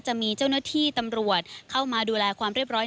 จะมีเจ้าหน้าที่ตำรวจเข้ามาดูแลความเรียบร้อย